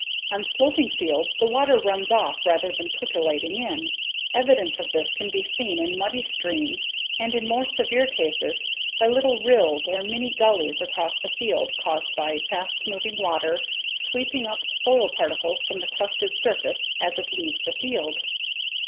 On sloping fields the water runs off rather than percolating in. Evidence of this can be seen in muddy streams and in more severe cases, by little rills or mini gullies across the field caused by fast moving water sweeping up soil particles from the crusted surface as it leaves the field.